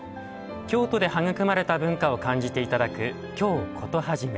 京都で育まれた文化を感じて頂く「京コトはじめ」。